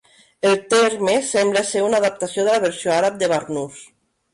El terme sembla ser una adaptació de la versió àrab de "barnús".